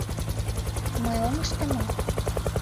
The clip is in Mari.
Мый ом ыште мо?